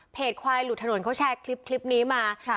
เพจควายหลุดถนนเขาแชร์คลิปคลิปนี้มาค่ะ